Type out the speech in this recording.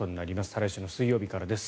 再来週の水曜日からです。